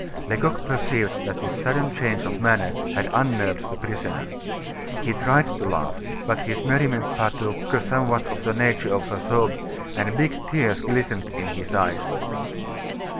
Lecoq perceived that this sudden change of manner had unnerved the prisoner. He tried to laugh, but his merriment partook somewhat of the nature of a sob, and big tears glistened in his eyes.